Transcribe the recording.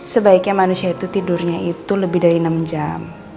sebaiknya manusia itu tidurnya itu lebih dari enam jam